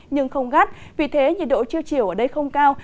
nhưng không gắt vì thế nhiệt độ trưa chiều ở đây không cao